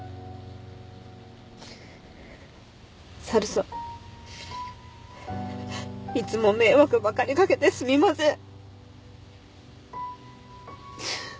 猿さんいつも迷惑ばかりかけてすみません。